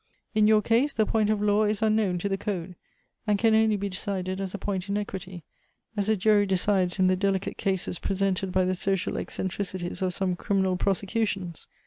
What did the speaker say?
"In your case, the point of law is unknown to the Code, and can only be decided as a point in equity, as a jury decides in the delicate cases presented by the social eccentricities of some criminal prosecutions.